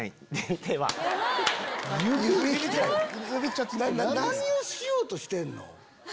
指⁉何をしようとしてんの？